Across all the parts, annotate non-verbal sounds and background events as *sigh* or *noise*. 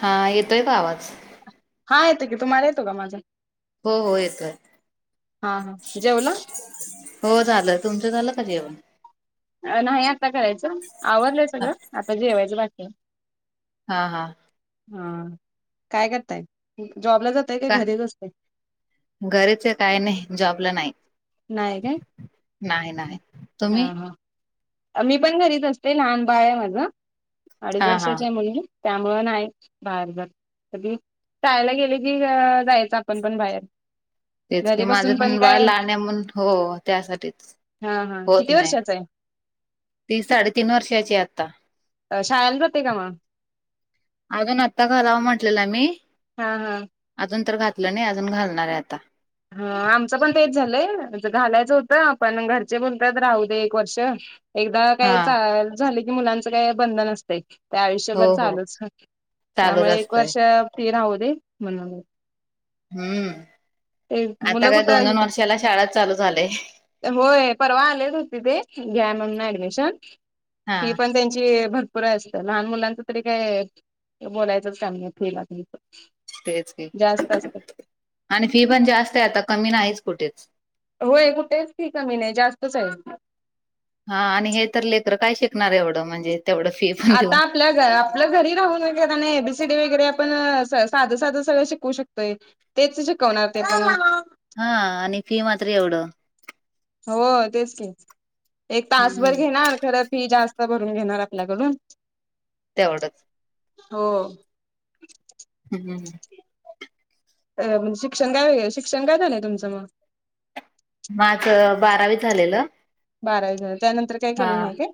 हा येतोय का आवाज. हा येतो की, तुम्हाला येतो का माझा. हो हो येतोय.. हा हा जेवला. हो झालं तुमचं झाल का जेवण. नाही आता करायचं आवरलंय हा सगळं आता जेवायचं बाकी आहे. हा हा... हा काय करताय जॉबला जाताय की का घरीच अस ताय. घरीच हाय काय नाही जॉबला नाही. नाही काय नाही नाही तुम्ही. आम्ही पण घरीच असते लहान बाळ आहे माझं अडीच हा हा वर्षाच्या आहे मुलगी. त्यामुंळे नाही बाहेर जात. कधी शाळेला गेले की जायचं आपण पण बाहेर. तेच कि घरी माझं बसून पण बाळ काय लहान आहेम्हणून हो त्यासाठीच. हा हा होत किती नाही वर्षाचा आहे. ती साडेतीन वर्षाची आता. अ शाळेला जाता का मग. अजून आत्ता घालावं म्हटलेलमी. हा हा... अजून तर घातलं नाही अजून घालणार आहे आता. ह आमचं पण तेच झालंय घालायचं होतं आपण घरचे म्हणतात राहू दे एक वर्ष. एकदा हा काय चा झालं की मुलांचं काय बंधन असते. ते हो आयुष्यभर हो चालूच चालूच त्यामुळे एक असतंय वर्ष ते राहू दे म्हणून. ते हम्म आता मुलं काय कुठं दोन-दोन वर्षाला शाळा चालू झालेय. होय परवा आलेच होते ते घ्या म्हणून ऍडमिशन हा फी पण त्यांची भर पुरे असतं लहान मुलांचं तरी काय बोलायचंच काम नाही केला पण नंतर. तेच की आणि फी पण जास्त आहे आता कमी नाहीच कुठेच. होय कुठेच की कमी नाही जास्तच आहे. हा आणि हे तर लेकरं काय शिकणार आहे एवढं म्हणजे. तेवढं फी पण देऊन. आता आपलं ते आपलं घरी राहून वगैरे नाही ए बी सी डी वगैरे आपण स सादं सादं सगळं शिकू शकतोय. तेच शिकवणार ते पण मग. हा आणि फी मात्र एवढं. हो तेच की एक तासभर हम्म घेणार खरं फी जास्त भरून घेणार आपल्याकडून. तेवढच हो. उम्म हम्म. अ म्हणजे शिक्षण काय व्हय शिक्षण काय झालंय तुमचं म? माझं बारावी झालेला. बारावी झालं त्यानंतर काय हा केलं नाही काय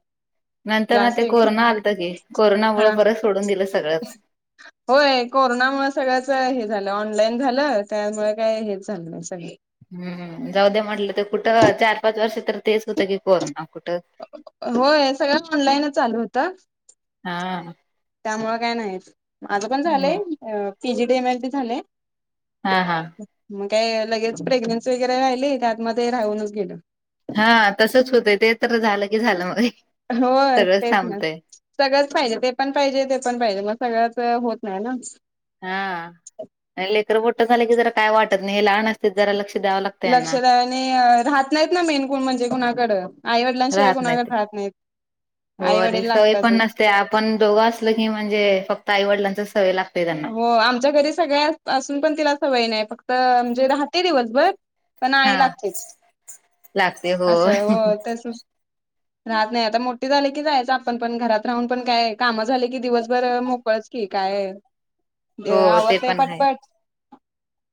नंतर म क्लास ते वगैरे कोरोना आलतं की कोरोनामुळं हा परत सोडून दिलं सगळंच. *unintelligible* होय कोरोनामुळे सगळ्याच हे झालं ऑनलाईन झालं त्यामुळे काही हेच झालं नाही सगळे. हम्म जाऊद्या म्हटलं तर कुठं चार-पाच वर्ष तर तेच होतं की कोरोना कुठं. होय सगळं ऑनलाईन होतं. हा. त्यामुळे काय नाहीत माझं पण झालंय हम्म अ P G day M H B झालेय. हा हा. मग काय लगेच प्रेग्नेन्सी वगैरे राहिली त्यातमध्ये राहूनच गेलं. हा तसच होतंय ते तर झालंय की झालं मग. होय सगळंच तेच ना. थांबतंय. सगळंच पाहिजे ते पण पाहिजे ते पण पाहिजे मग सगळंच होत नाही ना. हा आणि लेकरं मोठं झाले की जरा काय वाटत नाही हे लहान असते जरा लक्ष द्यावं लाग लक्ष द्यावं नाहीय राहत नाहीत ना मेन कोण म्हणजे कुणाकडं. आई-वडिलां शिवाय कोणाला राहत नाहीत हो आणि आई-वडील सवय लागतातच. नसते पण दोघं असलं की म्हणजे फक्त आईवडिलांचा सवय लाग हो आमच्या घरी सगळ्या असून पण तिला सवय नाही फक्त म्हणजे राहते दिवसभर. आई हा लागतेच असं हो तेच सुस राहत नाही आता मोठी झाले की जायचा आपण पण घरात राहून पण काय कामं झाले की दिवसभर मोकळच की काय हो ते आवरतेय पण आहे पटपट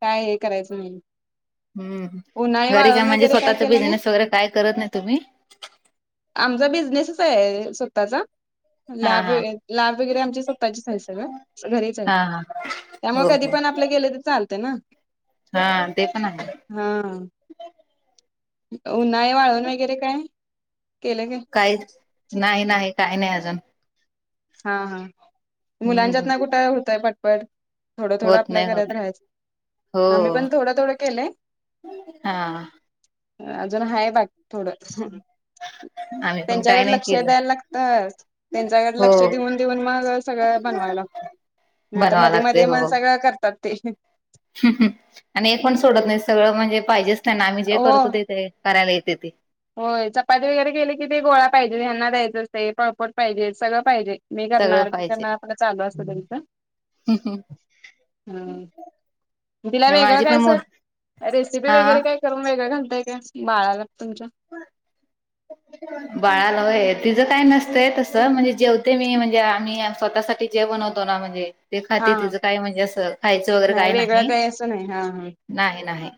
काय हे करायचं नाही. हम्म उन्हाळी घरी काय वाळवण म्हणजे वगैरे स्वतःचा केलं नाही बिझनेस वगैरे काय करत नाही तुम्ही? आमचा बिझनेसच आहे स्वतःचा. हा लाभे हा लाभेगिरी आमची स्वतःचेच संस्था आहे गं घरीच आहे हा हा त्यामुळं हो कधी हो पण आ *unintelligible* गेले तर चालतय ना. हा ते पण आहे. हां. उन्हाय वाळण वगैरे काय केलंय काय? काय नाइ नाइ काय नाइ अजून हा हा हम्म मुलांच्यातन कु ट हुतय पटपट थोडं थोडं होत आपल्या नाही करत होत राह्याच हो आमी पण थोडं थोडं केलंय हा अजून हाय बाक थोडं आम्ही पण काय तेंच्याकड नाही लक्ष केलं द्यायला लागत तेंच्याकड हो लक्ष ऊन देऊन मग सगळं बनवाय लागत नइ त बनवा लागते मदी मग हो सगळं करतात ते आणि हे पण सोडत नइत सगळं म्हणजे पाहिजेच तेंना आमी जे हो करतो ते ते करायला येताते होय चपाती वगैरे केली की ते गोळा पाइजे हेंना द्यायचंच ते पाळपोट पाइजे सगळं पाइजे मी सगळं करणार पाहिजे करणार आपलं चालू असत तेंचं हम तिला वेगळं माझी पण काय अस मो रेसिपी हा वगैरे काय करुन वेगळं घालताय काय बाळाला तुमच्या *inaudible* बाळाला होय तिज काय नसतंय तसं म्हणजे जेवतेे मी म्हणजे आमी स्वतःसाटी जे बणवतो ना म्हणजे ते हा खाते हा तिज काय म्हणजे असं खायचं वगैरे काय वेगळं नाही काही असं नाही हा हा नाही नाही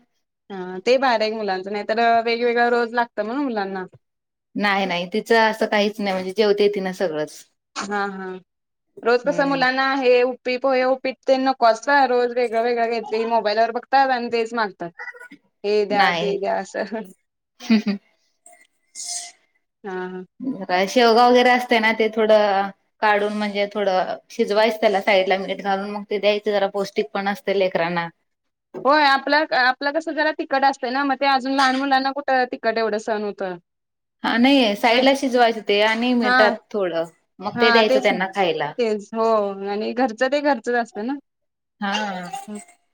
हा ते बारीय एक मुलांचं नाई तर अ वेगवेगळं रोज लागतं ना मुलांना नाइ नाइ तिचं असं काहीच नाइ म्हणजे जेवते तिन सगळंच. हा हा रोज कस हम्म मुलांन नाहे उप्पे, पोहे उपीट तेन नको असता रोज वेगळ वेगळ काइतरी मोबाईलवर बगतात आणि तेच मागतात. हे द्या, नाही ते द्या अस. हा ह. राय शेवगा वगैरे असतंय ना ते थोडं. काडुन म्हणजे थोडं शिजवायचं तेला साईडला मीठ घालून मग ते द्यायचे जरा पौष्टिक पण असत लेकरांना. होय आपल्या क आपलं कसं जरा तिकट असतय ना म ते अजून लहान मुलांना कुट तिकट एवड सन हुतं. हा नाइ साईडला शिजवायच ते आणि हा मिटात थोडं. मग हा ते द्यायचं तेच ना त्यांना खायला तेच हो आणि घरचं ते घरचंच असतं ना. हा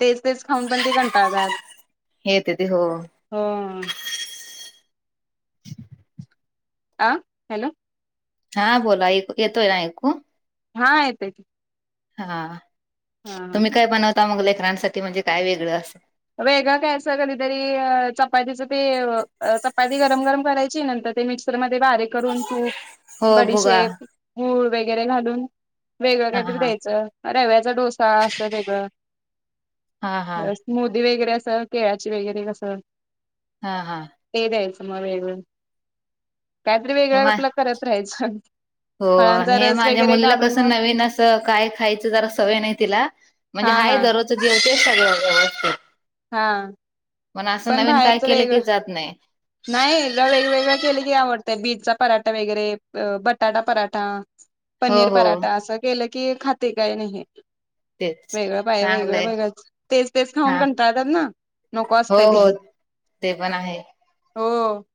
तेच तेच खाऊन पण ते कंटाळतात. येते ते हो हो ओ. आ हॅलो! हा बोला येतो येतोय ना ऐकू. हा येतोय. हा तुमी काय बनवता मग लेकरांसाठी म्हणजे काय वेगळं असं. वेगळ काय असत कदीतरी चपातीच ते वअ चपाती गरम गरम करायची नंतर ते मिक्स मिक्सरमदे बारीक करून तूप, हो भुगा बडीशेप, गूळ वगैरे घालून वेगळं हा कायतरी हा द्यायचं रव्याचा डोसा असं वेगळं. हा हा स्मूदी वगैरे असं, केळाची वगैरे कसं हा हा! ते द्यायचं मग वेगळं. कायतरी हे वेगळं मा आपल करत राहायचं. हो फळांचा हे रस माज्या वगैरे मुलीला काढून कसं मग नवीन असं काय खायचं जरा सवय नाइ तिला म्हणजे हा हा हाय दरोज च जेवते सगळ व्यवस्थित. हा असं पण नवीन काय भायरच केलं वेगळं की जात नाही नाय तीला वेगवेगळ केले की आवडतय. बीटचा पराठा वगैरे, बटाटा पराठा. हो पनीर हो पराठा असं केलं की खाते काय नाही. तेच वेगळं पाय वेगळं चांगलंय वेगळ तेच तेच खाऊन हा कंटाळतात ना. हो ते हो ते पण आहे. हो.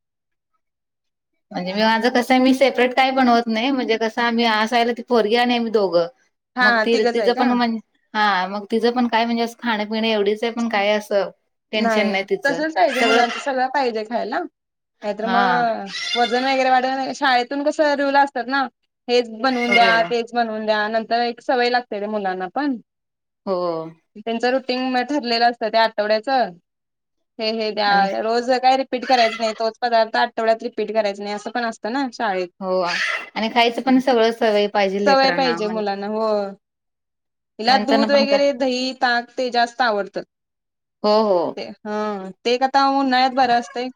म्हणजे मी माझं कसंय मी सेपरेट काय बनवत नाही. म्हणजे कसं मी आसयला ती पोरगी आणि आम्ही दोघं. हा मग तिर तिघंच तिज आहे का पण म्हण हा मग तिचं पण काय म्हणजे असं खाण्यापिणे एवढीच आहे. पण काय असं नाही. तसच पाहिजे मुलांच सगळं पाहिजे खायला. नाहीतर हा मग वजन वगैरे वाढव, शाळेतून कसं रूल असतात ना, हेच बनवून हो द्या. तेच बनवून द्या. नंतर एक सवय लागते ते मुलांना पण. हो. त्यांच रुटीन मग ठरलेलं असतं, त्या आठवड्याच. हे हे आणि द्या. रोज काय रिपीट करायच नाही. तोच पदार्थ आठवड्यात रिपीट करायच नाही. असं पण असतं ना शाळेत. हो आणि खायचं पण सगळं सवय पाहिजे लेकरांना. की जे म्हणजे मुलांना हो. हिला नंतर दूध पण का वगैरे दही, ताक ते जास्त आवडतं. हो हो. हा ते एक आता उन्हाळ्यात बरं असतंय.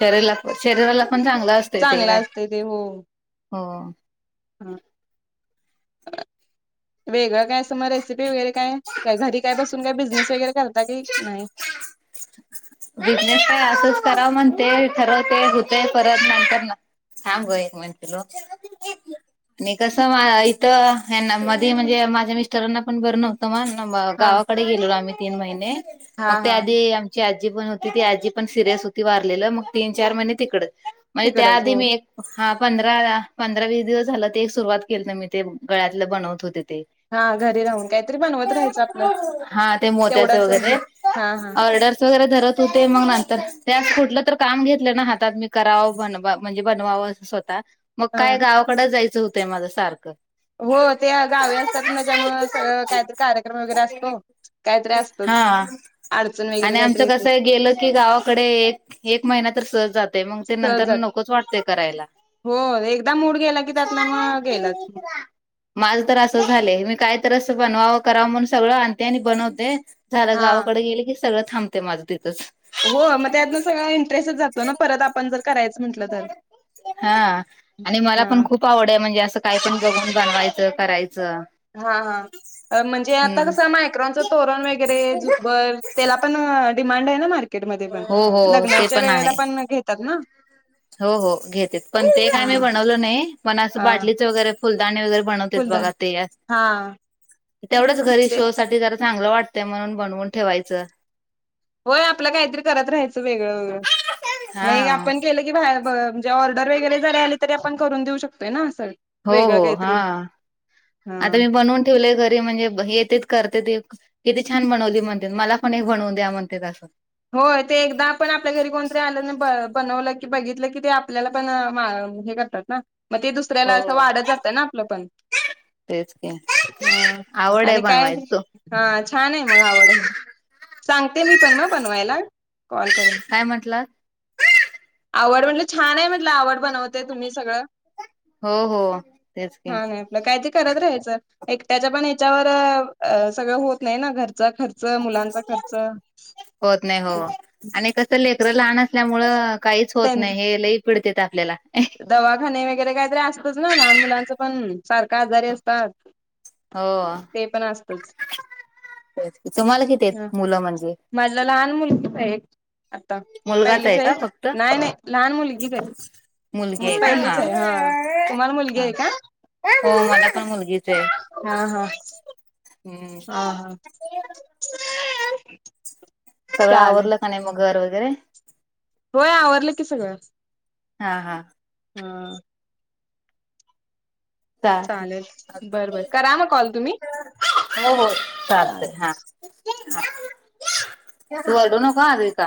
शरीराला शरीराला पण चांगलं असतय ते चांगलं काय. असतंय ते हो हो. हा. *unintelligible* वेगळं काय असं म रेसिपी वगैरे काय? काय घरी काय बसून काय बिझनेस वगैरे करता की नाही? बिझनेस काय असंच कराव म्हणते. ठरवते, होतंय. परत नंतर थांब ग एक मिनिट पिल्लू. आणि कस मा इथं ह्याना. मध्ये म्हणजे माझ्या मिस्टरांना पण बर नव्ह त मग हा गावाकडे गेलेलो आम्ही तीन महिने. हा मग त्या हा आधी आमची आ जी पण होती. ती आजी पण सिरियस होती वारलेलं. मग तीन- चार महिने तिकड, म्हणजे त्या तिकडच आधी हो मी एक हा पंधरा पंधरा वीस दिवस झालं ते एक सुरुवात केलंत मी ते गळ्यातलं बनवत होते ते. हा घरी राहून काहीतरी बनवत राहायचं आपलं. हा ते मोत्याच तेवढच वगैरे हे, हा हा. ऑर्डर्स वगैरे करत होते. मग नंतर ते आन् कुठलं तर काम घेतलं ना हातात. मी करावं, बनवा म्हणजे बनवावं स्वतः मग हा काय गावाकडेच जायचं होतंय माझ सारखं. हो ते गावी असतात ना त्याच्यामुळं. सगळं काहीतरी कार्यक्रम वगैरे असतो. काहीतरी हा. असतच अडचण वगैरे आणि काहीतरी आमचं येते कसं आहे गेलं की गावाकडे एक -एक महिना तर सहज जातो. ते मग ते नंतर सहज नकोच वाटतय करायला. हो. एकदा मूड गेला की त्यातला मग गेलाच. माझं तर असं झालंय, मी काय तर अस बनवावं कराव म्हणून सगळं आणते आणि बनवते. झालं हा गावाकड गेले की सगळं थांबते माझं तिथंच. हो म त्यातनं सगळं इंटरेस्टच जातो ना परत आपण जर करायचं म्हटलं तर हा आणि मला हा पण खूप खूप आवड आहे. म्हणजे असं काय पण बघुन बनवायचं करायचं. हा हा म्हणजे आता हम्म कसं मायक्रोनचं तोरण वगैरे, झुंबर, त्याला पण डिमांड आहे ना मार्केटमध्ये पण. हो हो ते लग्नाच्या वेळेला आहे. पण घेतात ना. हो हो घेत्यात. पण ते काय मी बनवलं नाही. पण असं हा बाटलीचं वगैरे फुलदाणे वगैरे बनवते फुलदान बघा ते हा तेवढंच घरी ते शो साठी जरा चांगलं वाटतंय म्हणून बनवून ठेवायचं. होय आपल काहीतरी करत राहायचं वेगळं वेगळं. मगं हा आपण केलं की, की बाहेर ब म्हणजे ऑर्डर वैगैरे जरी आली तरी आपण करून देऊ शकतोय ना असं. हो वेगळं हो हा काहीतरी हा आता मी बनवून ठेवलेय घरी म्हणजे येतेच करते ते. किती छान बनवली म्हणत्यात मला पण एक बनवून द्या म्हणत्यात असं. होय ते एकदा आपण आपल्या घरी कोणतरी आलं ना बनवलं की बघितलं की ते आपल्याला पण हे करतात ना, मग ते दुसऱ्याला अस हो वाढत जात ना आपलं पण. तेच की. हा, आवड आहे आणि काय? बनवायच तो हा छान आहे मग आवड आहे. सांगते मी पण मग. *unintelligible* कॉल करून. काय म्हंटलात? आवड म्हणलं छान हाय म्हटलं आवड बनवतेय तुम्ही सगळं. हो हो तेच की म काय तरी करत राहायचं. एकट्याच्या पण ह्याच्यावर अ सगळं होत नाही ना घरचा खर्च, मुलांचा खर्च. होत नाही हो, आणि कसं लेकरं लहान असल्यामुळे काहीच होत त्यां नाही हे लई पिडतेेत आपल्याला. दवाखाने वगैरे काहीतरी असतच ना लहान मुलांचं पण, सारखे आजारी असतात. हो, ते पण असतच तुम्हाला किती आहेत? ह मुलं म्हणजे. माझला लहान मुलगीच आहे एक आता. मुलगाच पहिलीच आहे? का फक्त नाही नाही लहान मुलगीच हाय. मुलगी आहे का तुम्हाला मुलगी हा हा, आहे का हो मला पण मुलगीच हाय. हा हा हम्म ह हा *unintelligible* सगळं चालेल आवरलं का नाही मग घर वगैरे. होय आवरलं की सगळं हा हा हमं *unintelligible* चालेल बर बर करा मग कॉल तुम्ही हो हो चालेल चालतय हा. *unintelligible* तू ओरडू नको अद्विता.